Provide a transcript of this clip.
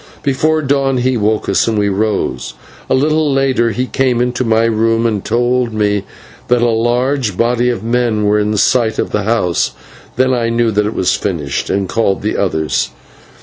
Before dawn he woke us, and we rose. A little later he came into my room and told me that a large body of men were in sight of the house. Then I knew that it was finished, and called the others.